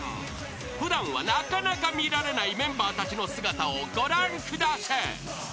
［普段はなかなか見られないメンバーたちの姿をご覧ください］